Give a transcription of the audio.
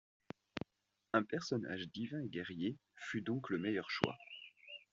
Un personnage divin et guerrier fut donc le meilleur choix.